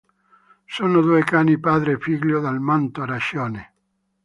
Sono due cani padre e figlio dal manto arancione.